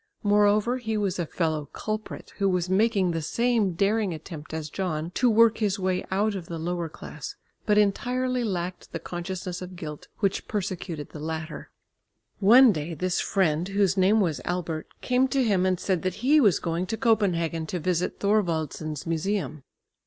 Moreover he was a fellow culprit, who was making the same daring attempt as John to work his way out of the lower class, but entirely lacked the consciousness of guilt which persecuted the latter. One day this friend, whose name was Albert, came to him and said that he was going to Copenhagen to visit Thorwaldsen's Museum.